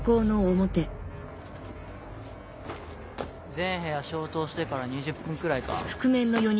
全部屋消灯してから２０分くらいか？